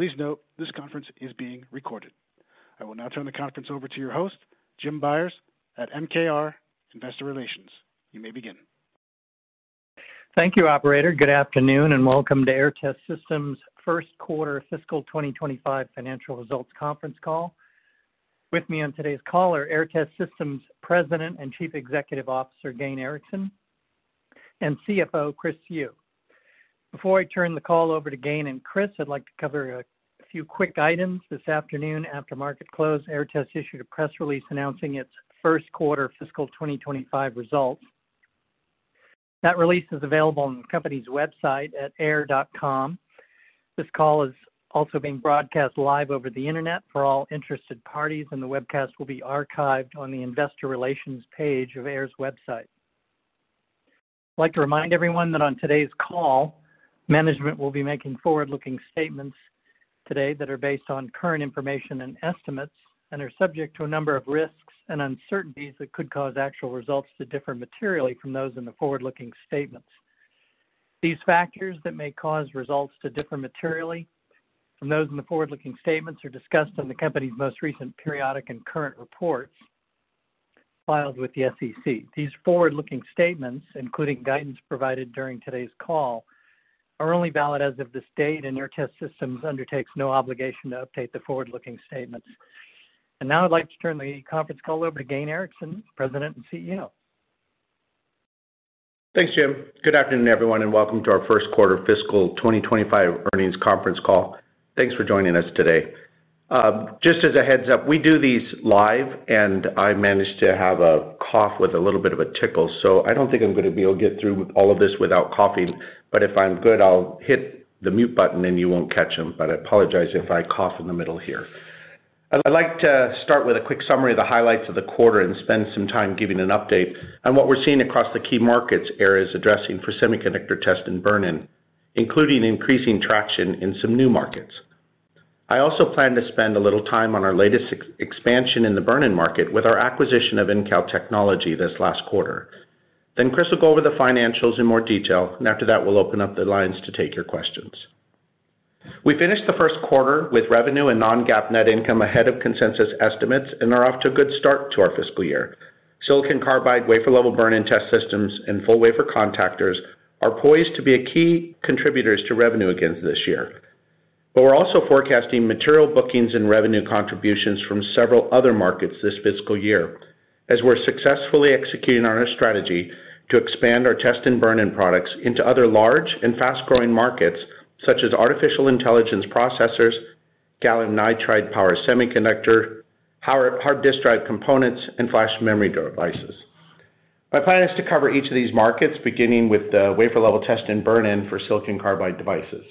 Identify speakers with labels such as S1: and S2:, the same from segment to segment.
S1: Please note, this conference is being recorded. I will now turn the conference over to your host, Jim Byers, at MKR Investor Relations. You may begin.
S2: Thank you, operator. Good afternoon, and welcome to Aehr Test Systems' first quarter fiscal 2025 financial results conference call. With me on today's call are Aehr Test Systems' President and Chief Executive Officer, Gayn Erickson, and CFO, Chris Siu. Before I turn the call over to Gayn and Chris, I'd like to cover a few quick items this afternoon. After market close, Aehr Test issued a press release announcing its first quarter fiscal 2025 results. That release is available on the company's website at aehr.com. This call is also being broadcast live over the internet for all interested parties, and the webcast will be archived on the investor relations page of Aehr's website. I'd like to remind everyone that on today's call, management will be making forward-looking statements today that are based on current information and estimates, and are subject to a number of risks and uncertainties that could cause actual results to differ materially from those in the forward-looking statements. These factors that may cause results to differ materially from those in the forward-looking statements are discussed in the company's most recent periodic and current reports filed with the SEC. These forward-looking statements, including guidance provided during today's call, are only valid as of this date, and Aehr Test Systems undertakes no obligation to update the forward-looking statements. And now I'd like to turn the conference call over to Gayn Erickson, President and CEO.
S3: Thanks, Jim. Good afternoon, everyone, and welcome to our first quarter fiscal 2025 earnings conference call. Thanks for joining us today. Just as a heads-up, we do these live, and I managed to have a cough with a little bit of a tickle, so I don't think I'm gonna be able to get through all of this without coughing. But if I'm good, I'll hit the mute button, and you won't catch them. But I apologize if I cough in the middle here. I'd like to start with a quick summary of the highlights of the quarter and spend some time giving an update on what we're seeing across the key markets Aehr is addressing for semiconductor test and burn-in, including increasing traction in some new markets. I also plan to spend a little time on our latest expansion in the burn-in market with our acquisition of InCAL Technology this last quarter. Then Chris will go over the financials in more detail, and after that, we'll open up the lines to take your questions. We finished the first quarter with revenue and non-GAAP net income ahead of consensus estimates and are off to a good start to our fiscal year. Silicon carbide, wafer-level burn-in test systems, and full-wafer contactors are poised to be key contributors to revenue again this year. But we're also forecasting material bookings and revenue contributions from several other markets this fiscal year, as we're successfully executing on our strategy to expand our test and burn-in products into other large and fast-growing markets, such as artificial intelligence processors, gallium nitride power semiconductors, power, hard disk drive components, and flash memory devices. My plan is to cover each of these markets, beginning with the wafer-level test and burn-in for silicon carbide devices.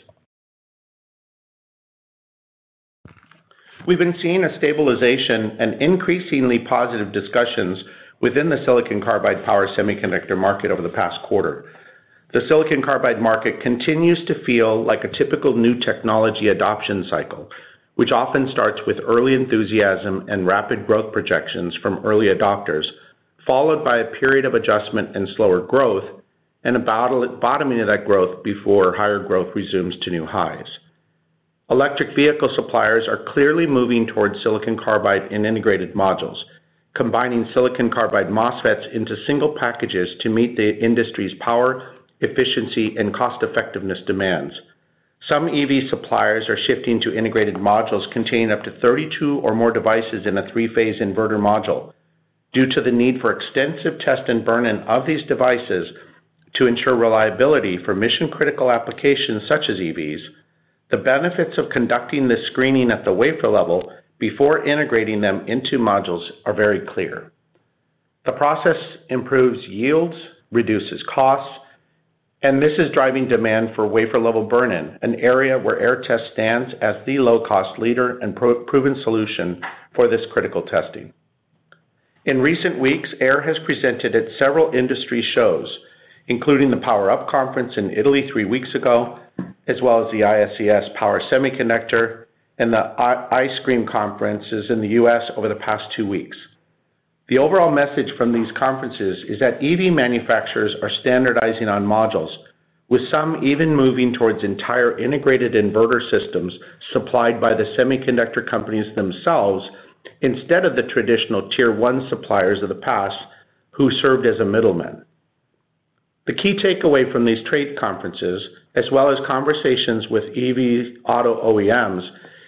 S3: We've been seeing a stabilization and increasingly positive discussions within the silicon carbide power semiconductor market over the past quarter. The silicon carbide market continues to feel like a typical new technology adoption cycle, which often starts with early enthusiasm and rapid growth projections from early adopters, followed by a period of adjustment and slower growth, and a bottoming of that growth before higher growth resumes to new highs. Electric vehicle suppliers are clearly moving towards silicon carbide in integrated modules, combining silicon carbide MOSFETs into single packages to meet the industry's power, efficiency, and cost-effectiveness demands. Some EV suppliers are shifting to integrated modules containing up to 32 or more devices in a three-phase inverter module. Due to the need for extensive test and burn-in of these devices to ensure reliability for mission-critical applications such as EVs, the benefits of conducting this screening at the wafer level before integrating them into modules are very clear. The process improves yields, reduces costs, and this is driving demand for wafer-level burn-in, an area where Aehr Test stands as the low-cost leader and proven solution for this critical testing. In recent weeks, Aehr has presented at several industry shows, including the PowerUp conference in Italy three weeks ago, as well as the ISES Power Semiconductor and the ICSCRM conferences in the U.S. over the past two weeks. The overall message from these conferences is that EV manufacturers are standardizing on modules, with some even moving towards entire integrated inverter systems supplied by the semiconductor companies themselves, instead of the traditional tier one suppliers of the past, who served as a middleman. The key takeaway from these trade conferences, as well as conversations with EV auto OEMs,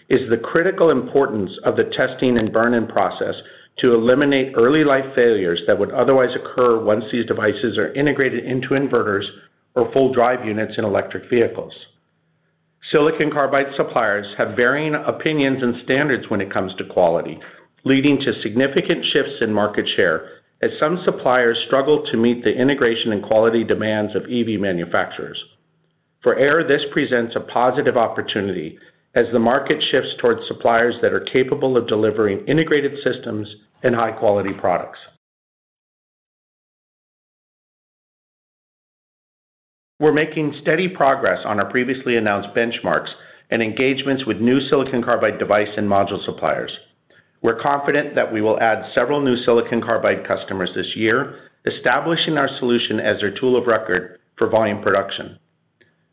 S3: is the critical importance of the testing and burn-in process to eliminate early life failures that would otherwise occur once these devices are integrated into inverters or full drive units in electric vehicles. Silicon carbide suppliers have varying opinions and standards when it comes to quality, leading to significant shifts in market share, as some suppliers struggle to meet the integration and quality demands of EV manufacturers. For Aehr, this presents a positive opportunity as the market shifts towards suppliers that are capable of delivering integrated systems and high-quality products. We're making steady progress on our previously announced benchmarks and engagements with new silicon carbide device and module suppliers. We're confident that we will add several new silicon carbide customers this year, establishing our solution as their tool of record for volume production.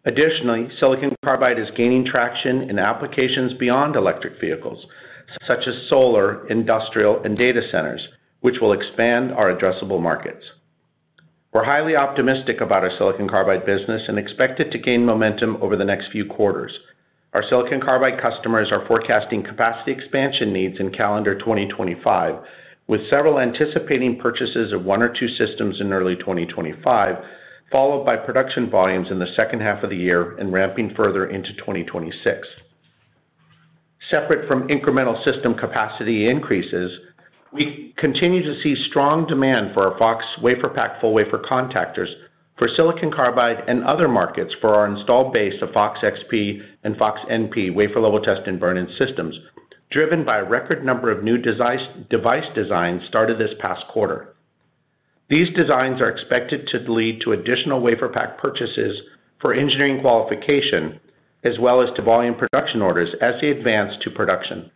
S3: Additionally, silicon carbide is gaining traction in applications beyond electric vehicles, such as solar, industrial, and data centers, which will expand our addressable markets. We're highly optimistic about our silicon carbide business and expect it to gain momentum over the next few quarters. Our silicon carbide customers are forecasting capacity expansion needs in calendar 2025, with several anticipating purchases of one or two systems in early 2025, followed by production volumes in the second half of the year and ramping further into 2026. Separate from incremental system capacity increases, we continue to see strong demand for our Fox WaferPak full wafer contactors for silicon carbide, and other markets for our installed base of Fox XP and Fox NP wafer-level test and burn-in systems, driven by a record number of new device designs started this past quarter. These designs are expected to lead to additional WaferPak purchases for engineering qualification, as well as to volume production orders as they advance to production.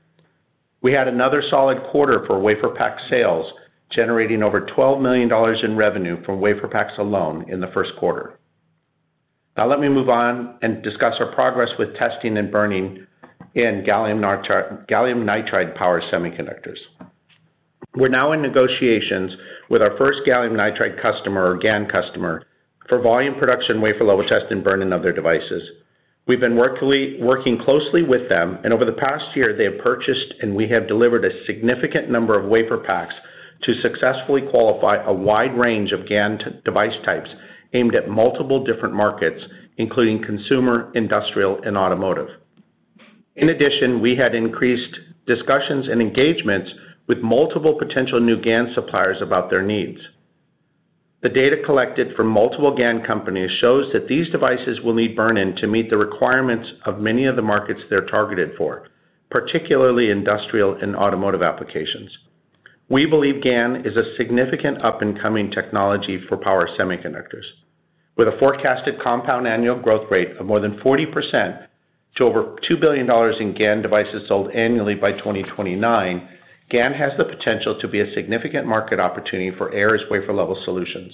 S3: We had another solid quarter for WaferPak sales, generating over $12 million in revenue from WaferPaks alone in the first quarter. Now, let me move on and discuss our progress with testing and burning in gallium nitride power semiconductors. We're now in negotiations with our first gallium nitride customer, or GaN customer, for volume production, wafer-level test, and burn-in of their devices. We've been working closely with them, and over the past year, they have purchased and we have delivered a significant number of WaferPaks to successfully qualify a wide range of GaN device types aimed at multiple different markets, including consumer, industrial, and automotive. In addition, we had increased discussions and engagements with multiple potential new GaN suppliers about their needs. The data collected from multiple GaN companies shows that these devices will need burn-in to meet the requirements of many of the markets they're targeted for, particularly industrial and automotive applications. We believe GaN is a significant up-and-coming technology for power semiconductors, with a forecasted compound annual growth rate of more than 40% to over $2 billion in GaN devices sold annually by 2029. GaN has the potential to be a significant market opportunity for Aehr's wafer-level solutions.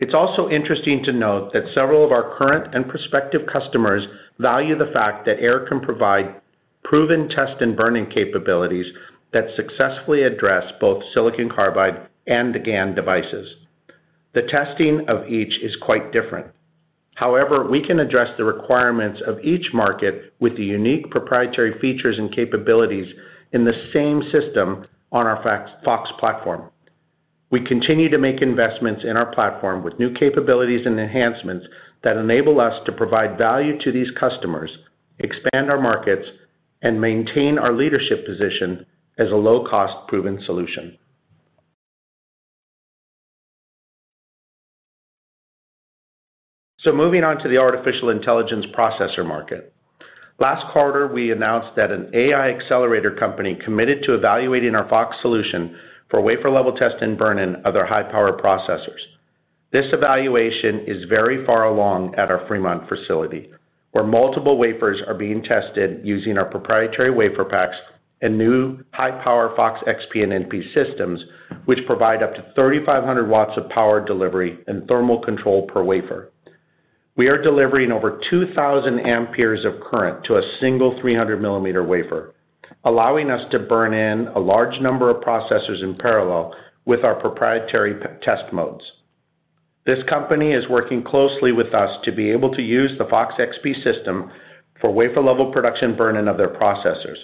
S3: It's also interesting to note that several of our current and prospective customers value the fact that Aehr can provide proven test and burn-in capabilities that successfully address both silicon carbide and the GaN devices. The testing of each is quite different. However, we can address the requirements of each market with the unique proprietary features and capabilities in the same system on our Fox platform. We continue to make investments in our platform with new capabilities and enhancements that enable us to provide value to these customers, expand our markets, and maintain our leadership position as a low-cost, proven solution. So moving on to the artificial intelligence processor market. Last quarter, we announced that an AI accelerator company committed to evaluating our Fox solution for wafer-level test and burn-in of their high-power processors. This evaluation is very far along at our Fremont facility, where multiple wafers are being tested using our proprietary WaferPak and new high-power Fox XP and NP systems, which provide up to 3,500 watts of power delivery and thermal control per wafer. We are delivering over 2,000 amperes of current to a single 300-millimeter wafer, allowing us to burn-in a large number of processors in parallel with our proprietary test modes. This company is working closely with us to be able to use the Fox XP system for wafer-level production burn-in of their processors,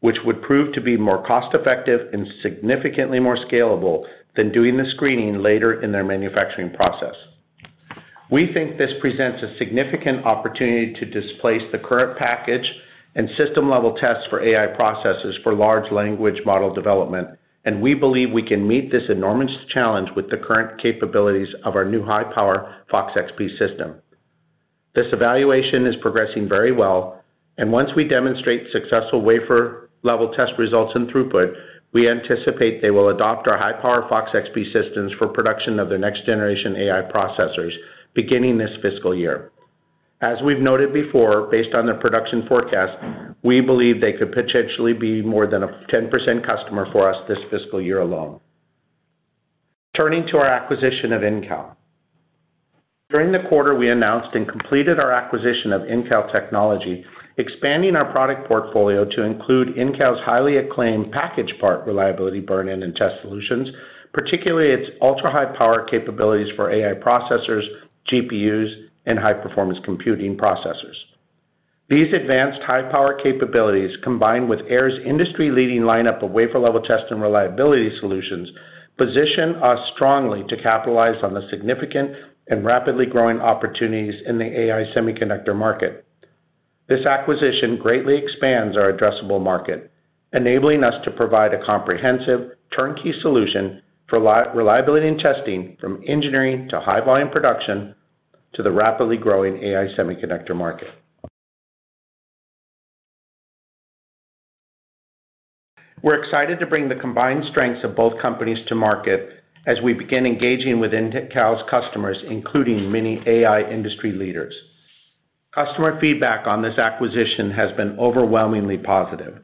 S3: which would prove to be more cost-effective and significantly more scalable than doing the screening later in their manufacturing process. We think this presents a significant opportunity to displace the current package and system-level tests for AI processors for large language model development, and we believe we can meet this enormous challenge with the current capabilities of our new high-power Fox XP system. This evaluation is progressing very well, and once we demonstrate successful wafer-level test results and throughput, we anticipate they will adopt our high-power Fox XP systems for production of their next-generation AI processors beginning this fiscal year. As we've noted before, based on their production forecast, we believe they could potentially be more than a 10% customer for us this fiscal year alone. Turning to our acquisition of InCAL. During the quarter, we announced and completed our acquisition of InCAL Technology, expanding our product portfolio to include InCAL's highly acclaimed packaged part reliability burn-in, and test solutions, particularly its ultra-high power capabilities for AI processors, GPUs, and high-performance computing processors. These advanced high-power capabilities, combined with Aehr's industry-leading lineup of wafer-level test and reliability solutions, position us strongly to capitalize on the significant and rapidly growing opportunities in the AI semiconductor market. This acquisition greatly expands our addressable market, enabling us to provide a comprehensive turnkey solution for reliability and testing, from engineering to high-volume production, to the rapidly growing AI semiconductor market. We're excited to bring the combined strengths of both companies to market as we begin engaging with InCAL's customers, including many AI industry leaders.... Customer feedback on this acquisition has been overwhelmingly positive,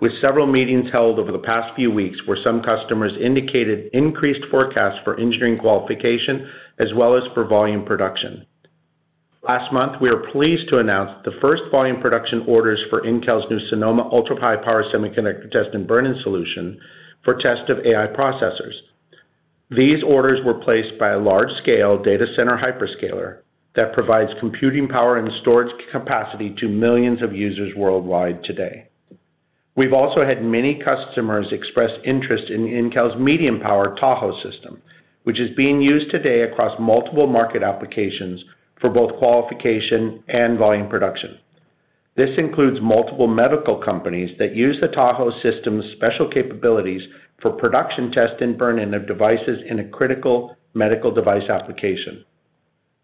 S3: with several meetings held over the past few weeks, where some customers indicated increased forecasts for engineering qualification, as well as for volume production. Last month, we were pleased to announce the first volume production orders for InCAL's new Sonoma ultra-high power semiconductor test and burn-in solution for test of AI processors. These orders were placed by a large-scale data center hyperscaler that provides computing power and storage capacity to millions of users worldwide today. We've also had many customers express interest in InCAL's medium-power Tahoe system, which is being used today across multiple market applications for both qualification and volume production. This includes multiple medical companies that use the Tahoe system's special capabilities for production test and burn-in of devices in a critical medical device application.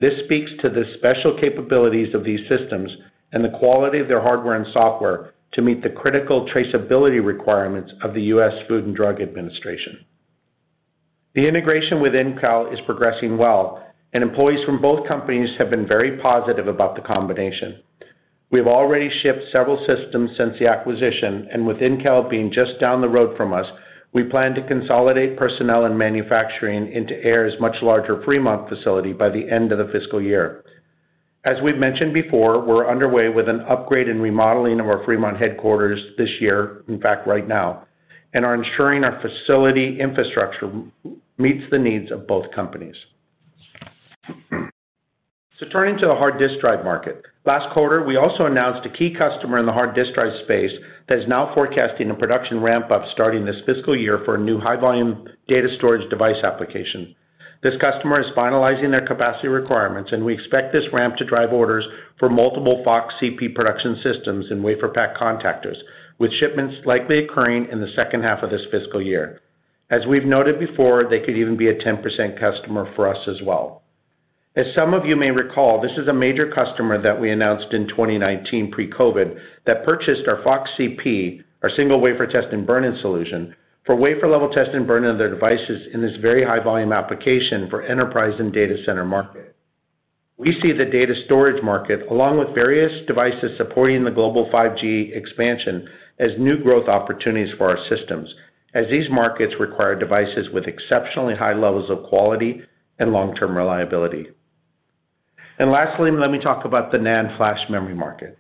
S3: This speaks to the special capabilities of these systems and the quality of their hardware and software to meet the critical traceability requirements of the U.S. Food and Drug Administration. The integration with InCAL is progressing well, and employees from both companies have been very positive about the combination. We have already shipped several systems since the acquisition, and with InCAL being just down the road from us, we plan to consolidate personnel and manufacturing into Aehr's much larger Fremont facility by the end of the fiscal year. As we've mentioned before, we're underway with an upgrade and remodeling of our Fremont headquarters this year, in fact, right now, and are ensuring our facility infrastructure meets the needs of both companies. Turning to the hard disk drive market. Last quarter, we also announced a key customer in the hard disk drive space that is now forecasting a production ramp-up starting this fiscal year for a new high-volume data storage device application. This customer is finalizing their capacity requirements, and we expect this ramp to drive orders for multiple Fox CP production systems and wafer pack contactors, with shipments likely occurring in the second half of this fiscal year. As we've noted before, they could even be a 10% customer for us as well. As some of you may recall, this is a major customer that we announced in 2019 pre-COVID, that purchased our Fox CP, our single wafer test and burn-in solution, for wafer level test and burn-in of their devices in this very high-volume application for enterprise and data center market. We see the data storage market, along with various devices supporting the global 5G expansion, as new growth opportunities for our systems, as these markets require devices with exceptionally high levels of quality and long-term reliability. And lastly, let me talk about the NAND flash memory market.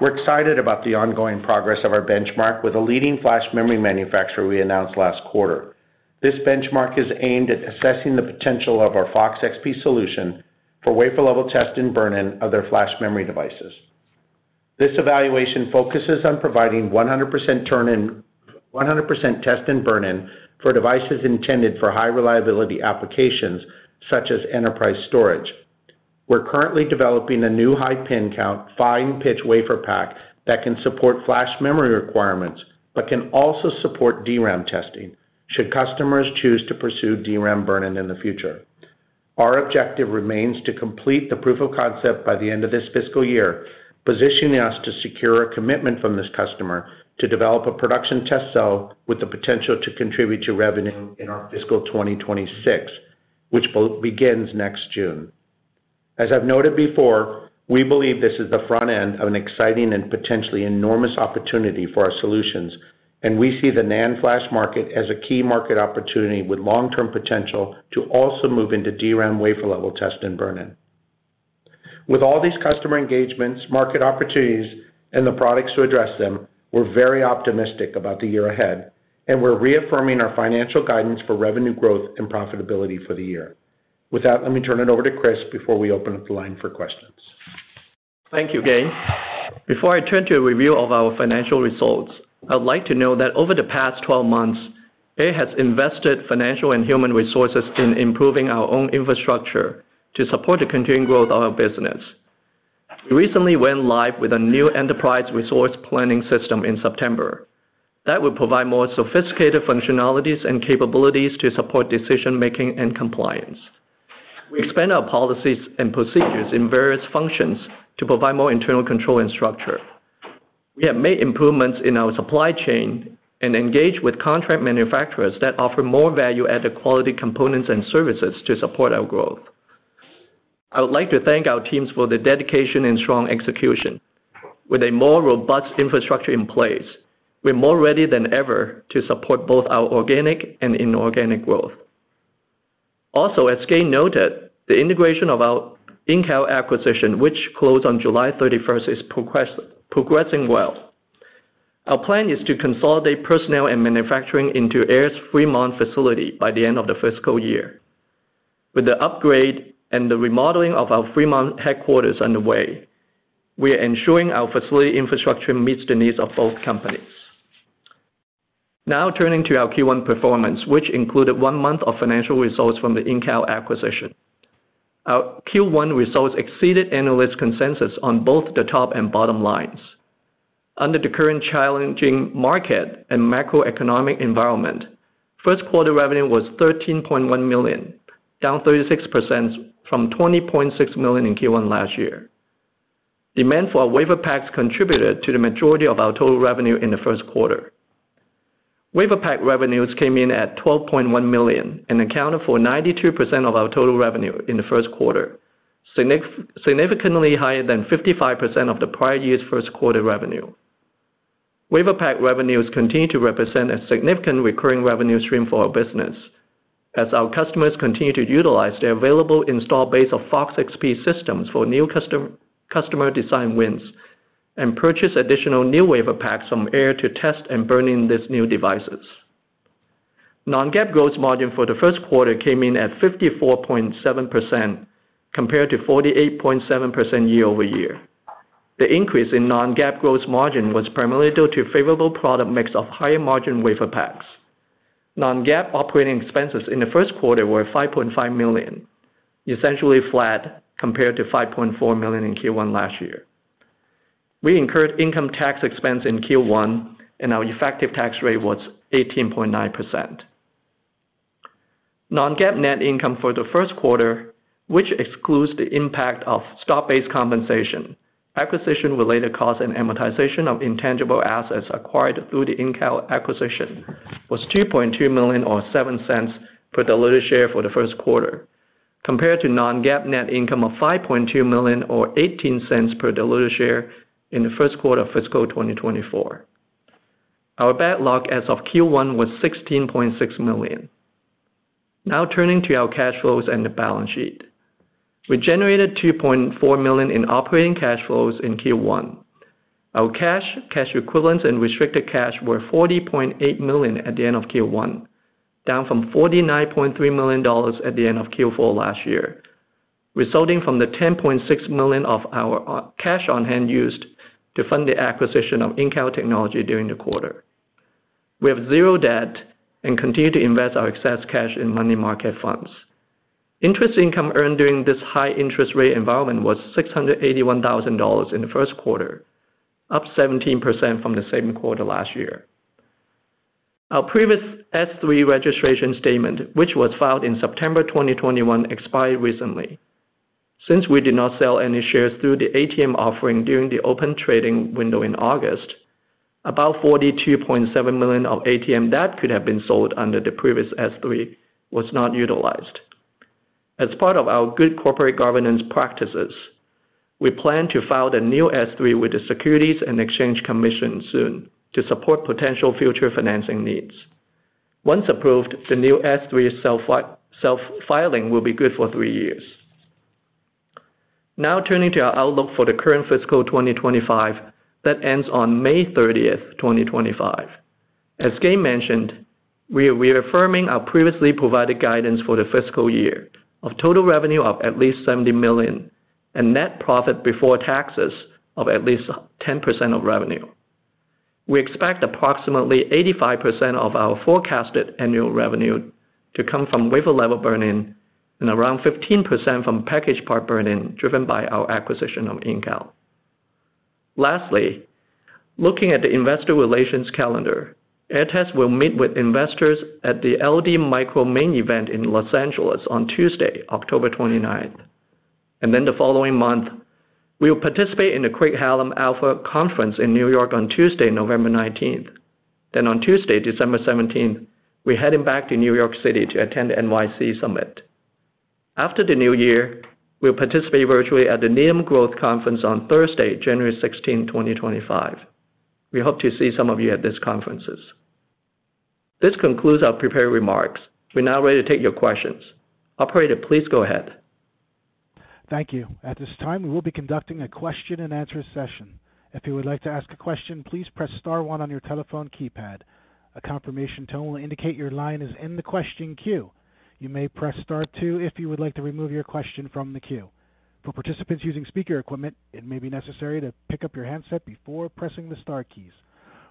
S3: We're excited about the ongoing progress of our benchmark with a leading flash memory manufacturer we announced last quarter. This benchmark is aimed at assessing the potential of our Fox XP solution for wafer-level test and burn-in of their flash memory devices. This evaluation focuses on providing 100% test and burn-in for devices intended for high reliability applications, such as enterprise storage. We're currently developing a new high pin count, fine pitch WaferPak, that can support flash memory requirements, but can also support DRAM testing, should customers choose to pursue DRAM burn-in in the future. Our objective remains to complete the proof of concept by the end of this fiscal year, positioning us to secure a commitment from this customer to develop a production test cell with the potential to contribute to revenue in our fiscal twenty twenty-six, which both begins next June. As I've noted before, we believe this is the front end of an exciting and potentially enormous opportunity for our solutions, and we see the NAND flash market as a key market opportunity with long-term potential to also move into DRAM wafer-level test and burn-in. With all these customer engagements, market opportunities, and the products to address them, we're very optimistic about the year ahead, and we're reaffirming our financial guidance for revenue growth and profitability for the year. With that, let me turn it over to Chris before we open up the line for questions.
S4: Thank you, Gabe. Before I turn to a review of our financial results, I would like to know that over the past twelve months, Aehr has invested financial and human resources in improving our own infrastructure to support the continuing growth of our business. We recently went live with a new enterprise resource planning system in September that will provide more sophisticated functionalities and capabilities to support decision-making and compliance. We expand our policies and procedures in various functions to provide more internal control and structure. We have made improvements in our supply chain and engaged with contract manufacturers that offer more value-added quality components and services to support our growth. I would like to thank our teams for their dedication and strong execution. With a more robust infrastructure in place, we're more ready than ever to support both our organic and inorganic growth. Also, as Gabe noted, the integration of our InCAL acquisition, which closed on July thirty-first, is progressing well. Our plan is to consolidate personnel and manufacturing into Aehr's Fremont facility by the end of the fiscal year. With the upgrade and the remodeling of our Fremont headquarters underway, we are ensuring our facility infrastructure meets the needs of both companies. Now, turning to our Q1 performance, which included one month of financial results from the InCAL acquisition. Our Q1 results exceeded analyst consensus on both the top and bottom lines. Under the current challenging market and macroeconomic environment, first quarter revenue was $13.1 million, down 36% from $20.6 million in Q1 last year. Demand for our WaferPaks contributed to the majority of our total revenue in the first quarter.... WaferPak revenues came in at $12.1 million and accounted for 92% of our total revenue in the first quarter, significantly higher than 55% of the prior year's first quarter revenue. WaferPak revenues continue to represent a significant recurring revenue stream for our business, as our customers continue to utilize their available install base of Fox XP systems for new customer design wins, and purchase additional new WaferPaks from Aehr to test and burn in these new devices. Non-GAAP gross margin for the first quarter came in at 54.7%, compared to 48.7% year-over-year. The increase in non-GAAP gross margin was primarily due to favorable product mix of higher margin WaferPaks. Non-GAAP operating expenses in the first quarter were $5.5 million, essentially flat compared to $5.4 million in Q1 last year. We incurred income tax expense in Q1, and our effective tax rate was 18.9%. Non-GAAP net income for the first quarter, which excludes the impact of stock-based compensation, acquisition-related costs, and amortization of intangible assets acquired through the InCAL acquisition, was $2.2 million, or $0.07 per diluted share for the first quarter, compared to non-GAAP net income of $5.2 million, or $0.18 per diluted share in the first quarter of fiscal 2024. Our backlog as of Q1 was $16.6 million. Now turning to our cash flows and the balance sheet. We generated $2.4 million in operating cash flows in Q1. Our cash, cash equivalents, and restricted cash were $40.8 million at the end of Q1, down from $49.3 million at the end of Q4 last year, resulting from the $10.6 million of our cash on hand used to fund the acquisition of InCAL Technology during the quarter. We have zero debt and continue to invest our excess cash in money market funds. Interest income earned during this high interest rate environment was $681,000 in the first quarter, up 17% from the same quarter last year. Our previous S-3 registration statement, which was filed in September 2021, expired recently. Since we did not sell any shares through the ATM offering during the open trading window in August, about $42.7 million of ATM that could have been sold under the previous S-3 was not utilized. As part of our good corporate governance practices, we plan to file the new S-3 with the Securities and Exchange Commission soon to support potential future financing needs. Once approved, the new S-3 self-filing will be good for three years. Now turning to our outlook for the current fiscal 2025, that ends on May 30th, 2025. As Gayn mentioned, we are reaffirming our previously provided guidance for the fiscal year of total revenue of at least $70 million and net profit before taxes of at least 10% of revenue. We expect approximately 85% of our forecasted annual revenue to come from wafer-level burn-in and around 15% from package part burn-in, driven by our acquisition of InCal. Lastly, looking at the investor relations calendar, Aehr Test will meet with investors at the LD Micro Main Event in Los Angeles on Tuesday, October 29th. Then the following month, we will participate in the Craig-Hallum Alpha Conference in New York on Tuesday, November nineteenth. On Tuesday, December seventeenth, we're heading back to New York City to attend the NYC Summit. After the new year, we'll participate virtually at the Needham Growth Conference on Thursday, January 16, 2025. We hope to see some of you at these conferences. This concludes our prepared remarks. We're now ready to take your questions. Operator, please go ahead.
S1: Thank you. At this time, we will be conducting a question-and-answer session. If you would like to ask a question, please press star one on your telephone keypad. A confirmation tone will indicate your line is in the question queue. You may press star two if you would like to remove your question from the queue. For participants using speaker equipment, it may be necessary to pick up your handset before pressing the star keys.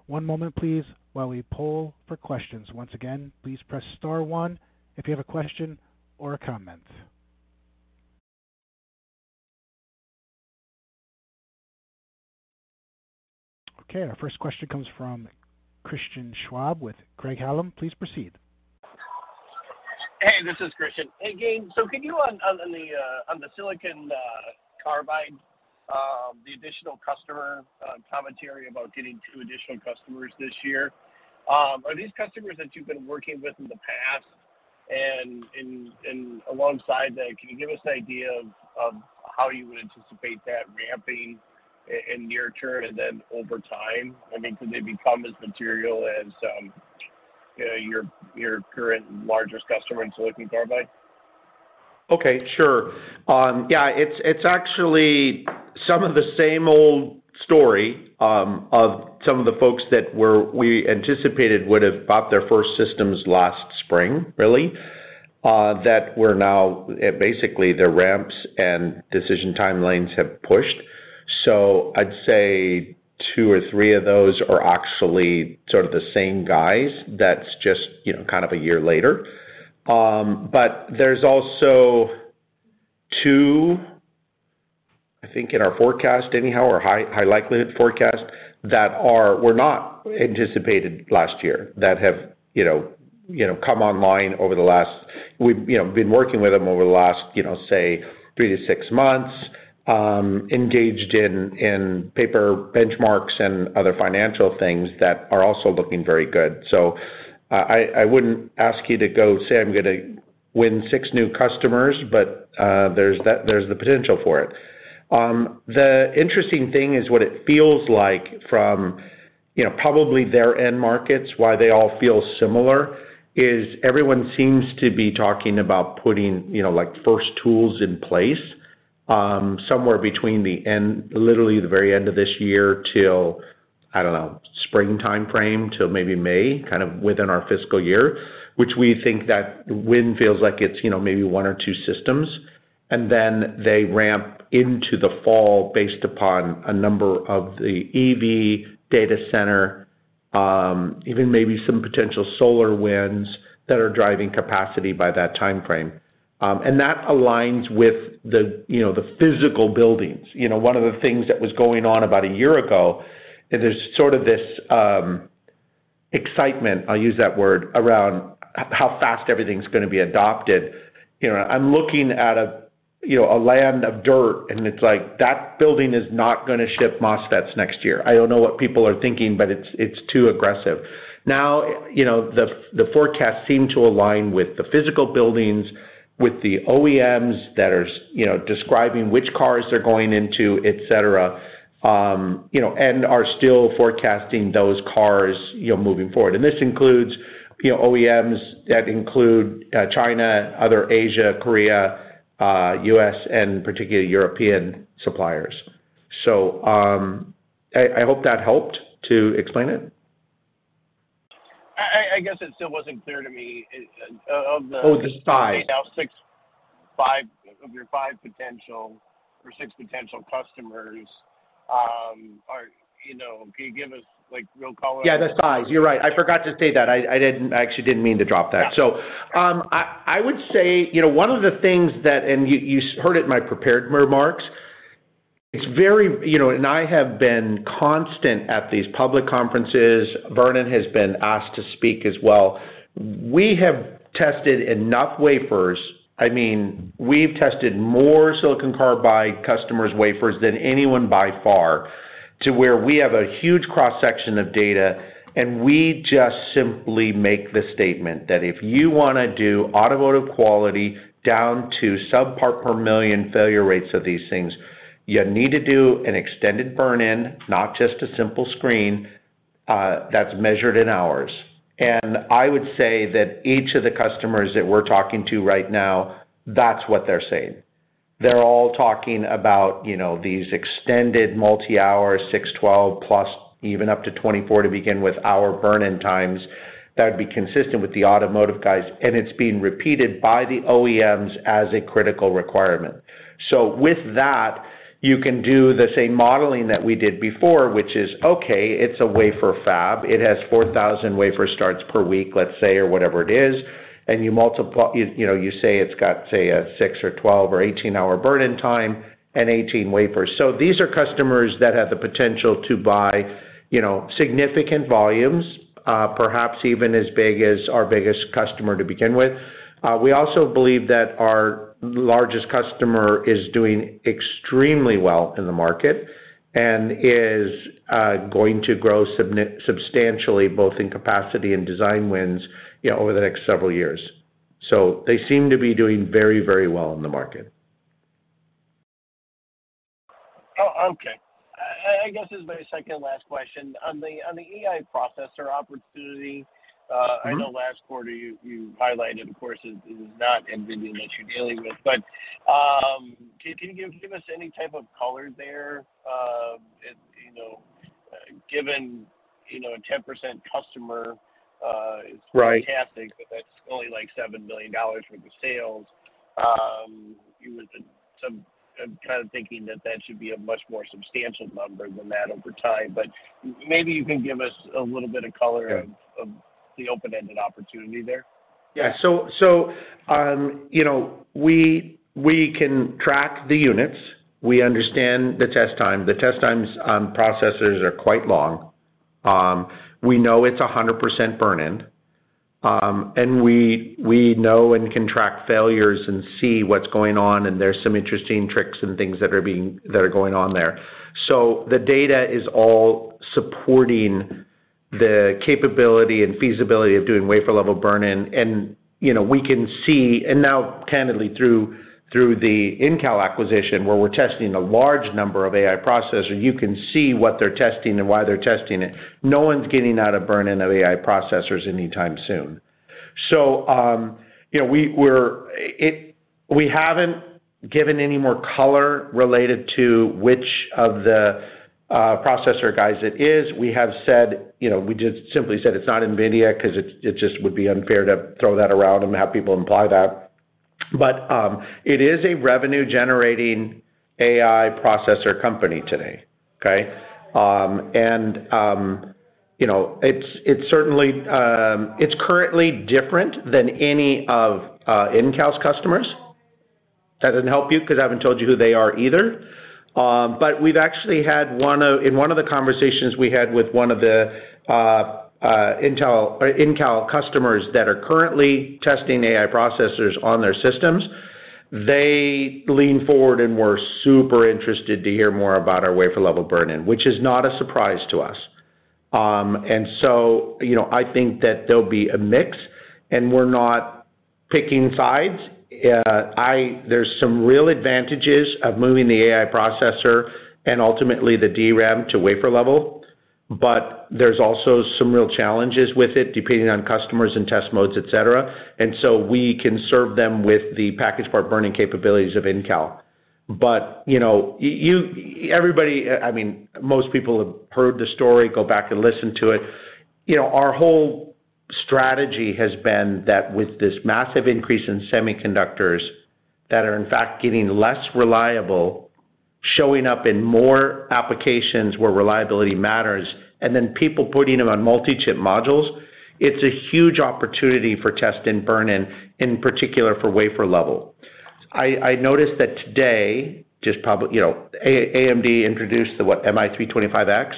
S1: One moment, please, while we poll for questions. Once again, please press star one if you have a question or a comment. Okay, our first question comes from Christian Schwab with Craig-Hallum. Please proceed.
S5: Hey, this is Christian. Hey, Gayn, so can you on the silicon carbide, the additional customer commentary about getting two additional customers this year, are these customers that you've been working with in the past? And alongside that, can you give us an idea of how you would anticipate that ramping in near term and then over time? I mean, could they become as material as your current largest customer in silicon carbide?
S3: Okay, sure. Yeah, it's actually some of the same old story of some of the folks that we anticipated would have bought their first systems last spring, really, that were now basically their ramps and decision timelines have pushed. So I'd say two or three of those are actually sort of the same guys that's just, you know, kind of a year later. But there's also two, I think, in our forecast anyhow, or high likelihood forecast, that were not anticipated last year, that have, you know, come online over the last-... we've, you know, been working with them over the last, you know, say, three to six months, engaged in paper benchmarks and other financial things that are also looking very good. So, I wouldn't ask you to go say I'm gonna win six new customers, but, there's the potential for it. The interesting thing is what it feels like from, you know, probably their end markets, why they all feel similar, is everyone seems to be talking about putting, you know, like, first tools in place, somewhere between literally the very end of this year till, I don't know, springtime frame, till maybe May, kind of within our fiscal year. Which we think that win feels like it's, you know, maybe one or two systems, and then they ramp into the fall based upon a number of the EV data center, even maybe some potential solar wins that are driving capacity by that timeframe, and that aligns with the, you know, the physical buildings. You know, one of the things that was going on about a year ago, and there's sort of this excitement, I'll use that word, around how fast everything's gonna be adopted. You know, I'm looking at a, you know, a land of dirt, and it's like, that building is not gonna ship MOSFETs next year. I don't know what people are thinking, but it's too aggressive. Now, you know, the forecasts seem to align with the physical buildings, with the OEMs that are you know, describing which cars they're going into, et cetera, you know, and are still forecasting those cars, you know, moving forward. And this includes, you know, OEMs that include, China, other Asia, Korea, U.S., and particularly European suppliers. So, I hope that helped to explain it?
S5: I guess it still wasn't clear to me of the-
S3: Oh, the size.
S5: Now, six-- five, of your five potential or six potential customers, are, you know, can you give us, like, real color-
S3: Yeah, the size. You're right, I forgot to say that. I, I didn't. I actually didn't mean to drop that.
S5: Yeah.
S3: I would say, you know, one of the things that you heard in my prepared remarks. It's very, you know, and I have been constant at these public conferences. Vernon has been asked to speak as well. We have tested enough wafers. I mean, we've tested more silicon carbide customers' wafers than anyone by far, to where we have a huge cross-section of data, and we just simply make the statement that if you wanna do automotive quality down to subpart per million failure rates of these things, you need to do an extended burn-in, not just a simple screen that's measured in hours, and I would say that each of the customers that we're talking to right now, that's what they're saying. They're all talking about, you know, these extended multi-hour, 6, 12+, even up to 24 to begin with, hour burn-in times that would be consistent with the automotive guys, and it's being repeated by the OEMs as a critical requirement. So with that, you can do the same modeling that we did before, which is, okay, it's a wafer fab. It has 4,000 wafer starts per week, let's say, or whatever it is, and you multiply. You know, you say it's got, say, a 6- or 12- or 18-hour burn-in time and 18 wafers. So these are customers that have the potential to buy, you know, significant volumes, perhaps even as big as our biggest customer to begin with. We also believe that our largest customer is doing extremely well in the market and is going to grow substantially, both in capacity and design wins, you know, over the next several years, so they seem to be doing very, very well in the market.
S5: Oh, okay. I, I guess this is my second last question. On the AI processor opportunity.
S3: Mm-hmm.
S5: I know last quarter you highlighted, of course, it is not NVIDIA that you're dealing with, but can you give us any type of color there, you know, given, you know, a 10% customer?
S3: Right.
S5: It's fantastic, but that's only, like, $7 million worth of sales. You would kind of think that that should be a much more substantial number than that over time. But maybe you can give us a little bit of color of,
S3: Yeah.
S5: of the open-ended opportunity there.
S3: Yeah. So, you know, we can track the units. We understand the test time. The test times on processors are quite long. We know it's 100% burn-in. And we know and can track failures and see what's going on, and there's some interesting tricks and things that are going on there. The data is all supporting the capability and feasibility of doing wafer-level burn-in. And, you know, we can see. And now, candidly, through the InCAL acquisition, where we're testing a large number of AI processor, you can see what they're testing and why they're testing it. No one's getting out a burn-in of AI processors anytime soon. You know, we haven't given any more color related to which of the processor guys it is. We have said, you know, we just simply said it's not NVIDIA, 'cause it just would be unfair to throw that around and have people imply that. But, it is a revenue-generating AI processor company today, okay? And, you know, it's certainly, it's currently different than any of InCal's customers. That doesn't help you, 'cause I haven't told you who they are either. But we've actually had, in one of the conversations we had with one of the InCAL or InCal customers that are currently testing AI processors on their systems, they leaned forward and were super interested to hear more about our wafer-level burn-in, which is not a surprise to us. And so, you know, I think that there'll be a mix, and we're not picking sides. There's some real advantages of moving the AI processor and ultimately the DRAM to wafer level, but there's also some real challenges with it, depending on customers and test modes, et cetera. So we can serve them with the package part burn-in capabilities of InCAL. But, you know, everybody, I mean, most people have heard the story, go back and listen to it. You know, our whole strategy has been that with this massive increase in semiconductors, that are in fact getting less reliable, showing up in more applications where reliability matters, and then people putting them on multi-chip modules, it's a huge opportunity for test and burn-in, in particular, for wafer level. I noticed that today, just publicly, you know, AMD introduced the, what, MI325X?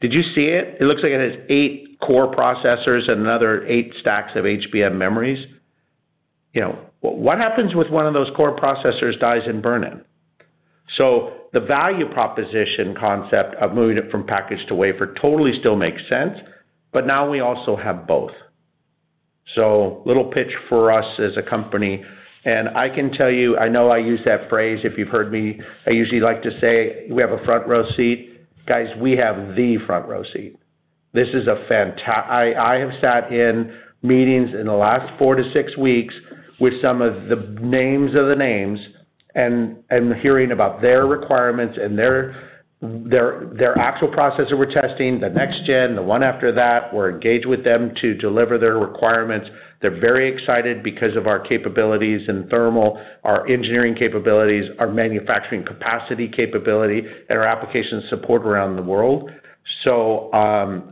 S3: Did you see it? It looks like it has eight core processors and another eight stacks of HBM memories. You know, what happens with one of those core processors dies in burn-in? So the value proposition concept of moving it from package to wafer totally still makes sense, but now we also have both. So little pitch for us as a company, and I can tell you, I know I use that phrase, if you've heard me, I usually like to say: "We have a front row seat." Guys, we have the front row seat. This is a fantastic. I have sat in meetings in the last four to six weeks with some of the names, and hearing about their requirements and their actual processor we're testing, the next gen, the one after that. We're engaged with them to deliver their requirements. They're very excited because of our capabilities in thermal, our engineering capabilities, our manufacturing capacity, and our application support around the world. So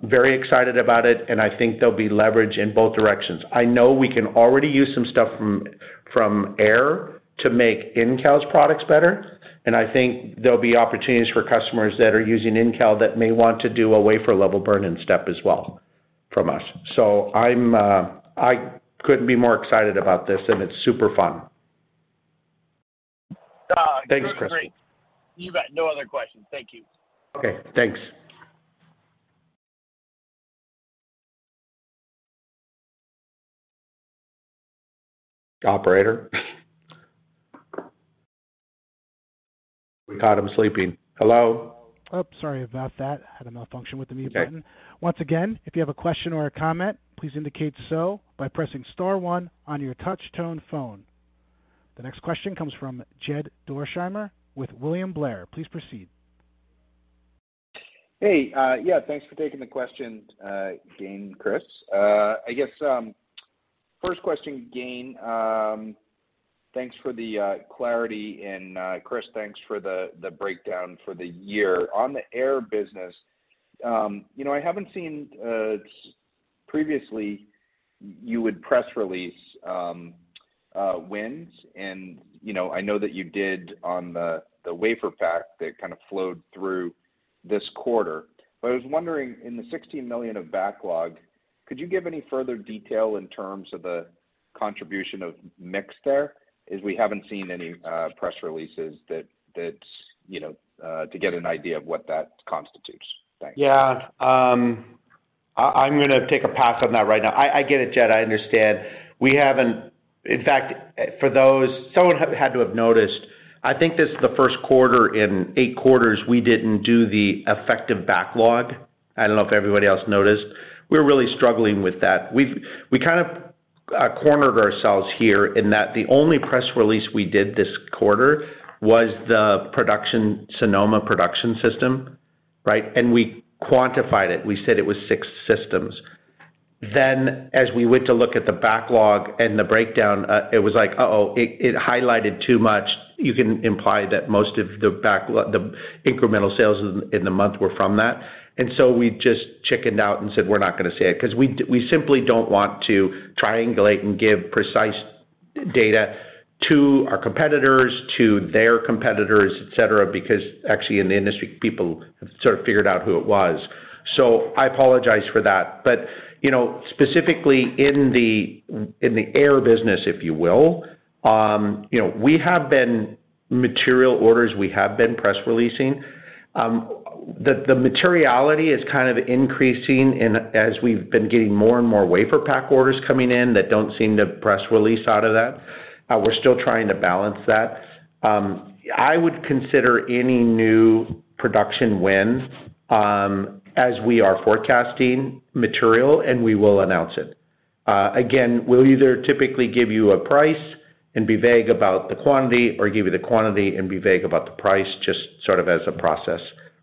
S3: very excited about it, and I think there'll be leverage in both directions. I know we can already use some stuff from Aehr to make InCal's products better, and I think there'll be opportunities for customers that are using InCal that may want to do a wafer-level burn-in step as well from us. So I'm I couldn't be more excited about this, and it's super fun. Thanks, Christopher.
S5: You bet. No other questions. Thank you.
S3: Okay, thanks. Operator? We caught him sleeping. Hello?
S1: Oh, sorry about that. Had a malfunction with the mute button.
S3: Okay.
S1: Once again, if you have a question or a comment, please indicate so by pressing star one on your touch tone phone. The next question comes from Jed Dorsheimer with William Blair. Please proceed.
S6: Hey, yeah, thanks for taking the question, Gayn, Chris. I guess first question, Gayn. Thanks for the clarity, and Chris, thanks for the breakdown for the year. On the Aehr business, you know, I haven't seen previously you would press release wins, and you know, I know that you did on the WaferPak that kind of flowed through this quarter. But I was wondering, in the 16 million of backlog, could you give any further detail in terms of the contribution of mix there? As we haven't seen any press releases that that's you know to get an idea of what that constitutes. Thanks.
S3: Yeah, I'm gonna take a pass on that right now. I get it, Jed, I understand. We haven't. In fact, for those someone had to have noticed, I think this is the first quarter in eight quarters, we didn't do the effective backlog. I don't know if everybody else noticed. We're really struggling with that. We've. We kind of cornered ourselves here in that the only press release we did this quarter was the production, Sonoma production system, right? And we quantified it. We said it was six systems. Then, as we went to look at the backlog and the breakdown, it was like, uh-oh, it highlighted too much. You can imply that most of the backlog, the incremental sales in the month were from that. And so we just chickened out and said, "We're not gonna say it." 'Cause we simply don't want to triangulate and give precise data to our competitors, to their competitors, et cetera, because actually in the industry, people have sort of figured out who it was. So I apologize for that. But you know, specifically in the Aehr business, if you will, you know, we have been material orders, we have been press releasing. The materiality is kind of increasing as we've been getting more and more WaferPak orders coming in that don't seem to press release out of that. We're still trying to balance that. I would consider any new production wins as we are forecasting material, and we will announce it. Again, we'll either typically give you a price and be vague about the quantity or give you the quantity and be vague about the price, just sort of as a process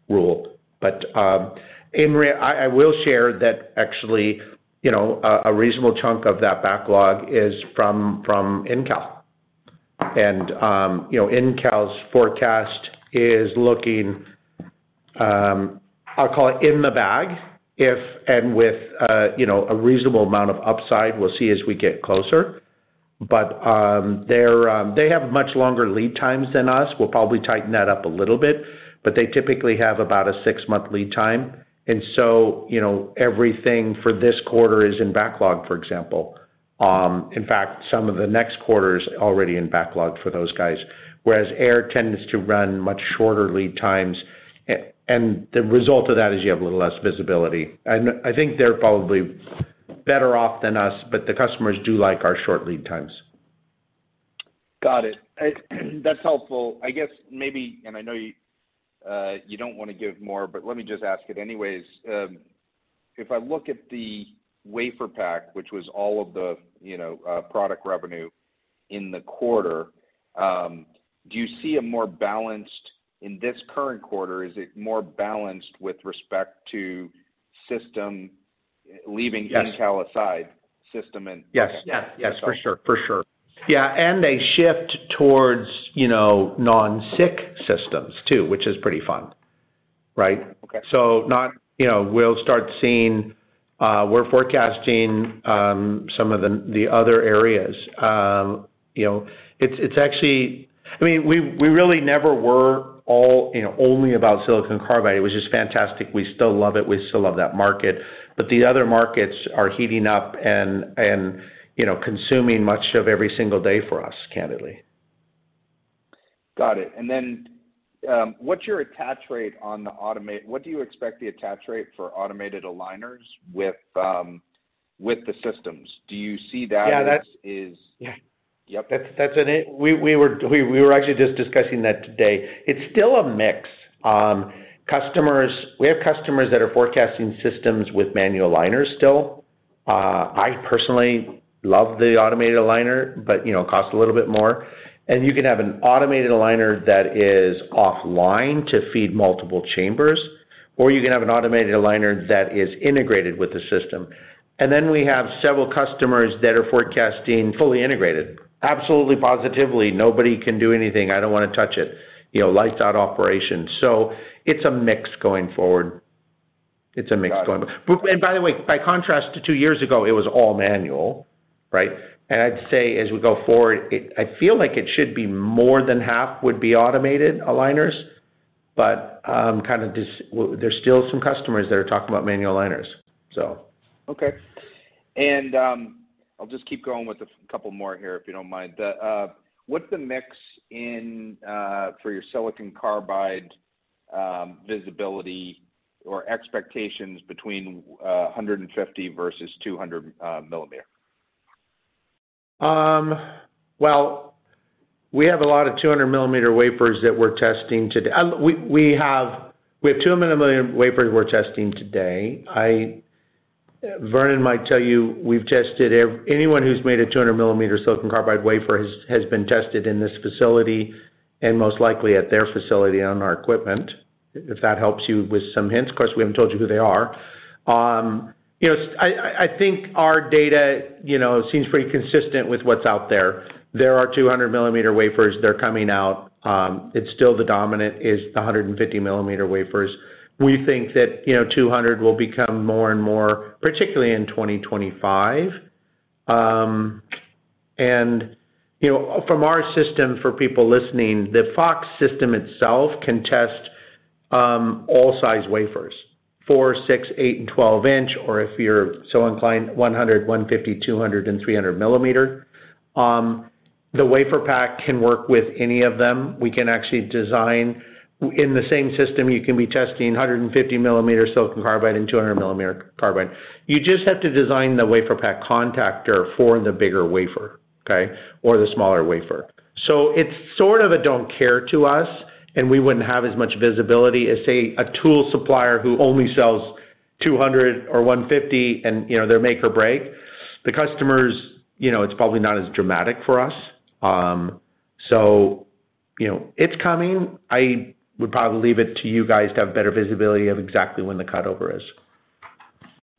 S3: rule. But, and I will share that actually, you know, a reasonable chunk of that backlog is from InCAL. And, you know, InCAL's forecast is looking. I'll call it in the bag, if and with, you know, a reasonable amount of upside, we'll see as we get closer. But, they have much longer lead times than us. We'll probably tighten that up a little bit, but they typically have about a six-month lead time, and so, you know, everything for this quarter is in backlog, for example. In fact, some of the next quarter is already in backlog for those guys, whereas Aehr tends to run much shorter lead times, and the result of that is you have a little less visibility, and I think they're probably better off than us, but the customers do like our short lead times.
S6: Got it. That's helpful. I guess maybe, and I know you, you don't want to give more, but let me just ask it anyways. If I look at the WaferPak, which was all of the, you know, product revenue in the quarter, do you see a more balanced... In this current quarter, is it more balanced with respect to system-
S3: Yes.
S6: Leaving InCAL aside, system and
S3: Yes, yeah. Yes, for sure. For sure. Yeah, and a shift towards, you know, non-SiC systems, too, which is pretty fun, right?
S6: Okay.
S3: So not, you know, we'll start seeing. We're forecasting some of the other areas. You know, it's actually. I mean, we really never were all, you know, only about silicon carbide. It was just fantastic. We still love it. We still love that market, but the other markets are heating up and, you know, consuming much of every single day for us, candidly.
S6: Got it. And then, what do you expect the attach rate for automated aligners with the systems? Do you see that-
S3: Yeah, that's-
S6: Yeah. Yep.
S3: We were actually just discussing that today. It's still a mix. We have customers that are forecasting systems with manual aligners still. I personally love the automated aligner, but, you know, cost a little bit more, and you can have an automated aligner that is offline to feed multiple chambers, or you can have an automated aligner that is integrated with the system, and then we have several customers that are forecasting fully integrated. Absolutely, positively, nobody can do anything. I don't wanna touch it, you know, lights out operations. So it's a mix going forward. It's a mix going forward.
S6: Got it.
S3: But, and by the way, by contrast to two years ago, it was all manual, right? And I'd say as we go forward, it - I feel like it should be more than half would be automated aligners, but, kind of just, well, there's still some customers that are talking about manual aligners, so.
S6: Okay, and I'll just keep going with a couple more here, if you don't mind. What's the mix in for your silicon carbide visibility or expectations between 150 versus 200 millimeter?
S3: Well, we have a lot of 200-millimeter wafers that we're testing today. We have 200-millimeter wafers we're testing today. Vernon might tell you, we've tested every anyone who's made a 200-millimeter silicon carbide wafer has been tested in this facility and most likely at their facility on our equipment, if that helps you with some hints. Of course, we haven't told you who they are. You know, I think our data seems pretty consistent with what's out there. There are 200-millimeter wafers. They're coming out. It's still the dominant is the 150-millimeter wafers. We think that two hundred will become more and more, particularly in 2025. And, you know, from our system, for people listening, the Fox system itself can test all size wafers, 4, 6, 8, and 12 inch, or if you're so inclined, 100, 150, 200, and 300 millimeter. The WaferPak can work with any of them. We can actually design in the same system you can be testing 150 millimeter silicon carbide and 200 millimeter carbide. You just have to design the WaferPak contactor for the bigger wafer, okay? Or the smaller wafer. So it's sort of a don't care to us, and we wouldn't have as much visibility as, say, a tool supplier who only sells 200 or 150 and, you know, they're make or break. The customers, you know, it's probably not as dramatic for us. So, you know, it's coming. I would probably leave it to you guys to have better visibility of exactly when the cut over is.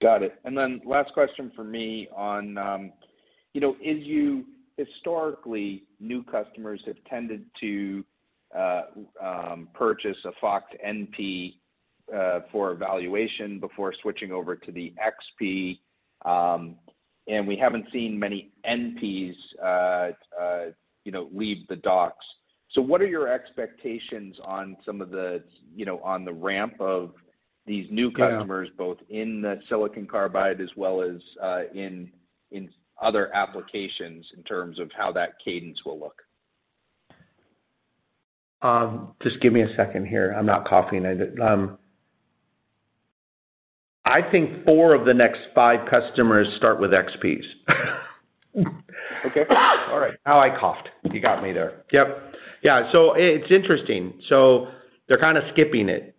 S6: Got it. And then last question for me on, you know, as you-- historically, new customers have tended to purchase a Fox NP for evaluation before switching over to the XP, and we haven't seen many NPs, you know, leave the docks. So what are your expectations on some of the, you know, on the ramp of these new-
S3: Yeah
S6: -customers, both in the silicon carbide as well as, in other applications, in terms of how that cadence will look?
S3: Just give me a second here. I'm not coughing. I think four of the next five customers start with XPs.
S6: Okay.
S3: All right, now I coughed. You got me there. Yep. Yeah, so it's interesting. So they're kind of skipping it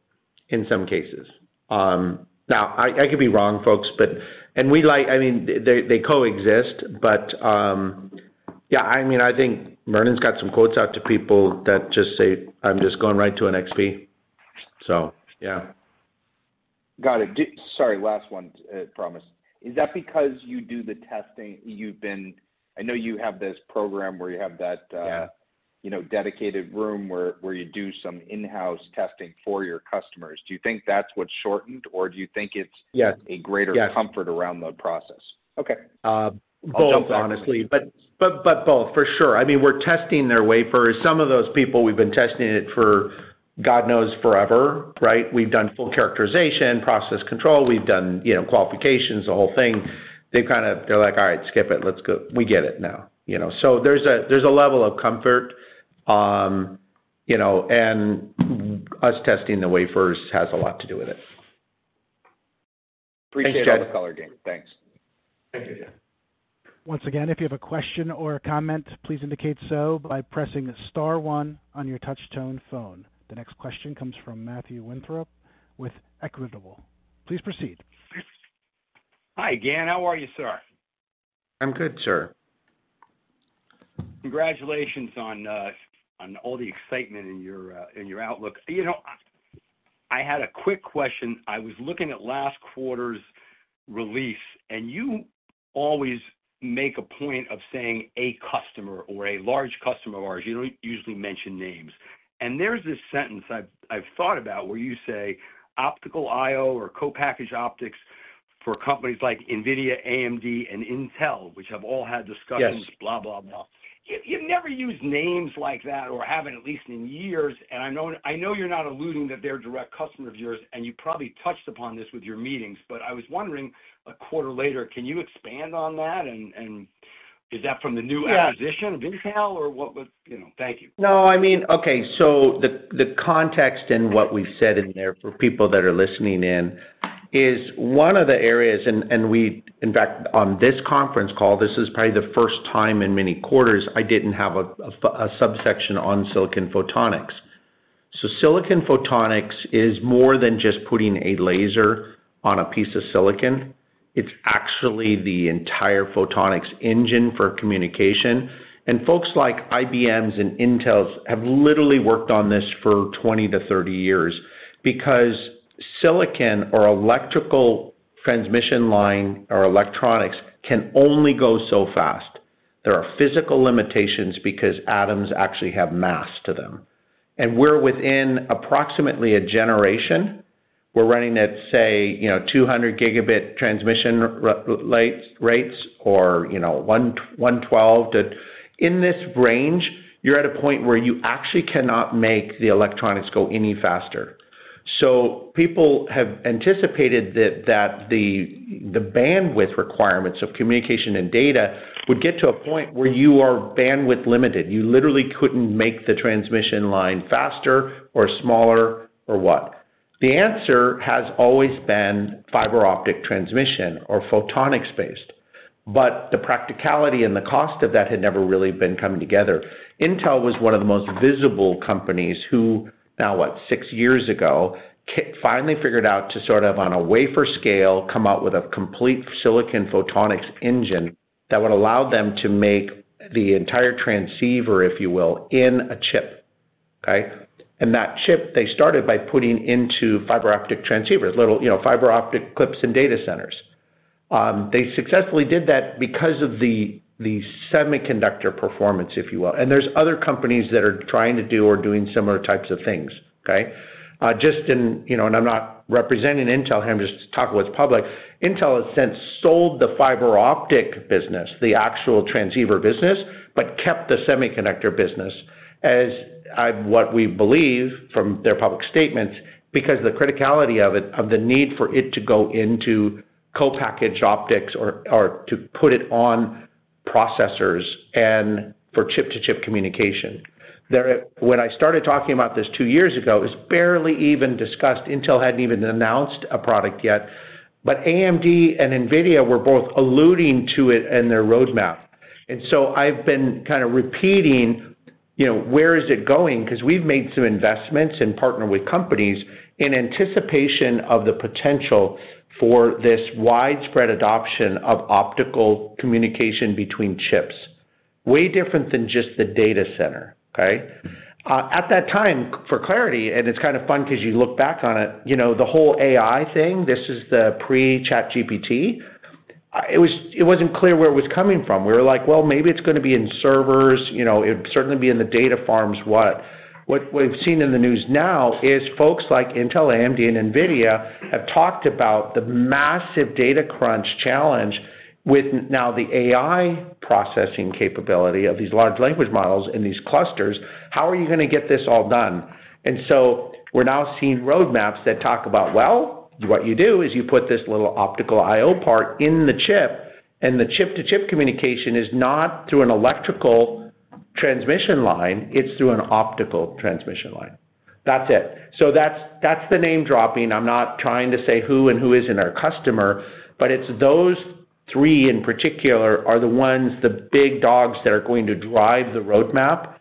S3: in some cases. Now, I could be wrong, folks, but and we like... I mean, they coexist, but, yeah, I mean, I think Vernon's got some quotes out to people that just say, "I'm just going right to an XP." So, yeah....
S6: Got it. Sorry, last one, promise. Is that because you do the testing? I know you have this program where you have that.
S3: Yeah
S6: You know, dedicated room where you do some in-house testing for your customers. Do you think that's what shortened, or do you think it's-
S3: Yes
S6: a greater comfort around the process? Okay.
S3: Both, honestly.
S6: I'll jump back-
S3: But both, for sure. I mean, we're testing their wafers. Some of those people, we've been testing it for, God knows, forever, right? We've done full characterization, process control, we've done, you know, qualifications, the whole thing. They kind of, they're like: "All right, skip it. Let's go. We get it now." You know, so there's a level of comfort, you know, and us testing the wafers has a lot to do with it.
S6: Appreciate all the color, Dan. Thanks.
S3: Thank you, Dan.
S1: Once again, if you have a question or a comment, please indicate so by pressing star one on your touchtone phone. The next question comes from Matthew Winthrop with Equitable. Please proceed.
S7: Hi, Dan. How are you, sir?
S3: I'm good, sir.
S7: Congratulations on all the excitement in your outlook. You know, I had a quick question. I was looking at last quarter's release, and you always make a point of saying, a customer or a large customer of ours. You don't usually mention names. And there's this sentence I've thought about, where you say, optical I/O or co-packaged optics for companies like NVIDIA, AMD, and InCAL, which have all had discussions-
S3: Yes.
S7: Blah, blah, blah. You, you've never used names like that or haven't, at least in years, and I know, I know you're not alluding that they're direct customers of yours, and you probably touched upon this with your meetings, but I was wondering, a quarter later, can you expand on that? And, and is that from the new-
S3: Yeah
S7: acquisition of InCAL, or what... You know? Thank you.
S3: No, I mean... Okay, so the context and what we've said in there for people that are listening in is one of the areas, and we—in fact, on this conference call, this is probably the first time in many quarters I didn't have a subsection on silicon photonics. So silicon photonics is more than just putting a laser on a piece of silicon. It's actually the entire photonics engine for communication. And folks like IBM and InCAL's have literally worked on this for 20 to 30 years, because silicon or electrical transmission line or electronics can only go so fast. There are physical limitations because atoms actually have mass to them. And we're within approximately a generation. We're running at, say, you know, 200 gigabit transmission rates, or, you know, 112 to... In this range, you're at a point where you actually cannot make the electronics go any faster. So people have anticipated that the bandwidth requirements of communication and data would get to a point where you are bandwidth limited. You literally couldn't make the transmission line faster or smaller or what. The answer has always been fiber optic transmission or photonics-based, but the practicality and the cost of that had never really been coming together. InCAL was one of the most visible companies who, now what, six years ago, finally figured out to sort of, on a wafer scale, come out with a complete silicon photonics engine that would allow them to make the entire transceiver, if you will, in a chip. Okay? And that chip, they started by putting into fiber optic transceivers, little, you know, fiber optic clips in data centers. They successfully did that because of the semiconductor performance, if you will, and there's other companies that are trying to do or doing similar types of things, okay? You know, and I'm not representing InCAL here. I'm just talking what's public. InCAL has since sold the fiber optic business, the actual transceiver business, but kept the semiconductor business, what we believe from their public statements, because the criticality of it, of the need for it to go into co-package optics or to put it on processors and for chip-to-chip communication. When I started talking about this two years ago, it was barely even discussed. InCAL hadn't even announced a product yet, but AMD and NVIDIA were both alluding to it in their roadmap, and so I've been kind of repeating, you know, where is it going? Because we've made some investments and partnered with companies in anticipation of the potential for this widespread adoption of optical communication between chips. Way different than just the data center, okay? At that time, for clarity, and it's kind of fun because you look back on it, you know, the whole AI thing, this is the pre-ChatGPT. It wasn't clear where it was coming from. We were like: Well, maybe it's gonna be in servers, you know, it'd certainly be in the data farms. What we've seen in the news now is folks like InCAL, AMD, and NVIDIA have talked about the massive data crunch challenge with now the AI processing capability of these large language models in these clusters. How are you gonna get this all done? And so we're now seeing roadmaps that talk about, well, what you do is you put this little optical I/O part in the chip, and the chip-to-chip communication is not through an electrical transmission line, it's through an optical transmission line. That's it. So that's, that's the name-dropping. I'm not trying to say who and who isn't our customer, but it's those three in particular are the ones, the big dogs that are going to drive the roadmap.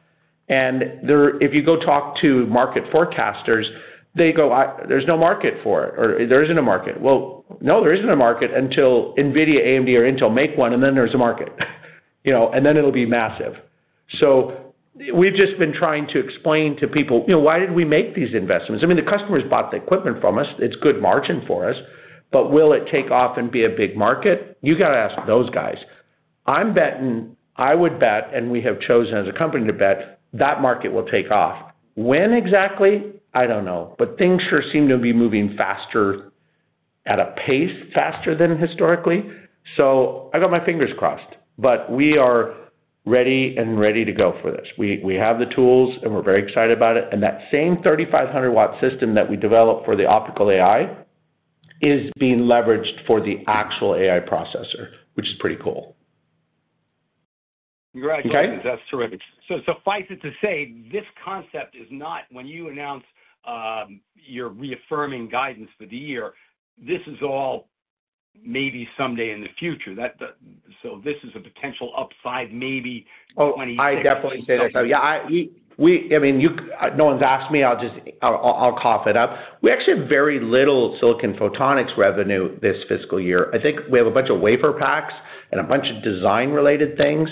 S3: And they're. If you go talk to market forecasters, they go, there's no market for it, or there isn't a market. Well, no, there isn't a market until NVIDIA, AMD, or InCAL make one, and then there's a market.... you know, and then it'll be massive. So we've just been trying to explain to people, you know, why did we make these investments? I mean, the customers bought the equipment from us. It's good margin for us, but will it take off and be a big market? You gotta ask those guys. I'm betting. I would bet, and we have chosen as a company to bet, that market will take off. When exactly? I don't know, but things sure seem to be moving faster, at a pace faster than historically. So I got my fingers crossed, but we are ready and ready to go for this. We, we have the tools, and we're very excited about it, and that same 3,500-watt system that we developed for the optical I/O is being leveraged for the actual AI processor, which is pretty cool.
S7: Congratulations.
S3: Okay?
S7: That's terrific. So suffice it to say, this concept is not when you announce your reaffirming guidance for the year. This is all maybe someday in the future. So this is a potential upside, maybe twenty-six.
S3: Oh, I definitely say that. Yeah, I mean, no one's asked me. I'll just cough it up. We actually have very little silicon photonics revenue this fiscal year. I think we have a bunch of wafer packs and a bunch of design-related things,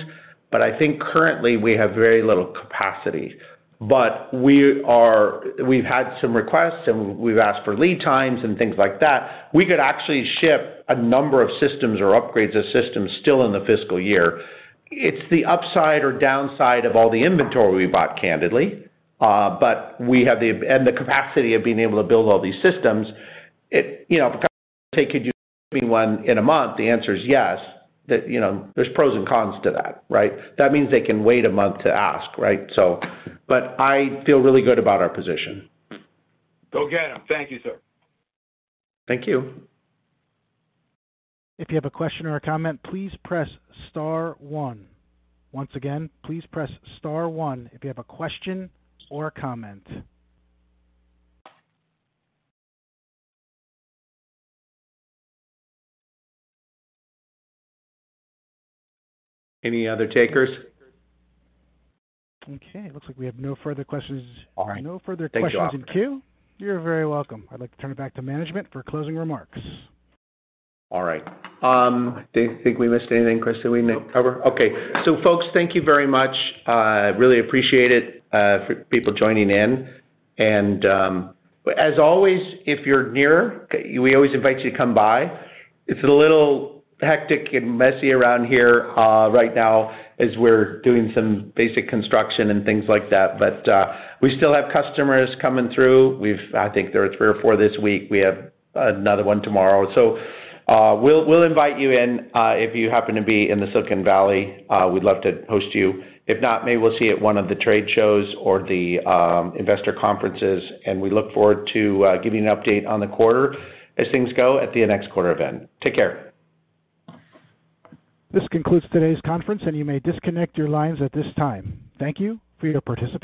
S3: but I think currently we have very little capacity. But we are. We've had some requests, and we've asked for lead times and things like that. We could actually ship a number of systems or upgrades of systems still in the fiscal year. It's the upside or downside of all the inventory we bought, candidly, but we have the capacity of being able to build all these systems. It, you know, take you one in a month, the answer is yes. That, you know, there's pros and cons to that, right? That means they can wait a month to ask, right? So, but I feel really good about our position.
S7: Go get 'em. Thank you, sir.
S3: Thank you.
S1: If you have a question or a comment, please press star one. Once again, please press star one if you have a question or a comment.
S3: Any other takers?
S1: Okay, it looks like we have no further questions.
S3: All right.
S1: No further questions in queue.
S3: Thanks a lot.
S1: You're very welcome. I'd like to turn it back to management for closing remarks.
S3: All right. Do you think we missed anything, Chris, that we didn't cover?
S4: No.
S3: Okay. So folks, thank you very much. Really appreciate it for people joining in. And, as always, if you're near, we always invite you to come by. It's a little hectic and messy around here right now as we're doing some basic construction and things like that. But, we still have customers coming through. We've I think there are three or four this week. We have another one tomorrow. So, we'll invite you in if you happen to be in the Silicon Valley, we'd love to host you. If not, maybe we'll see you at one of the trade shows or the investor conferences, and we look forward to giving an update on the quarter as things go at the next quarter event. Take care.
S1: This concludes today's conference, and you may disconnect your lines at this time. Thank you for your participation.